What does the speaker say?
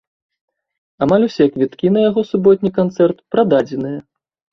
Амаль усе квіткі на яго суботні канцэрт прададзеныя.